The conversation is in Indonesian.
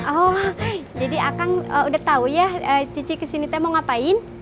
oh jadi akan udah tahu ya cici kesini teh mau ngapain